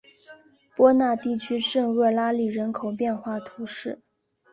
波讷地区圣厄拉利人口变化图示